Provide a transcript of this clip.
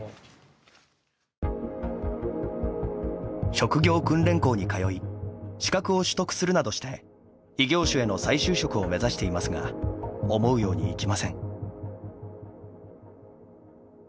職業訓練校に通い資格を取得するなどして異業種への再就職を目指していますが思うようにいきません。